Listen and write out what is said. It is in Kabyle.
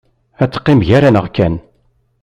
Ad teqqim gar-aneɣ kan?